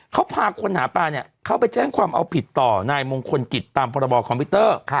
เขาพาคนหาปลาเนี่ยเข้าไปแจ้งความเอาผิดต่อนายมงคลกิจตามพรบคอมพิวเตอร์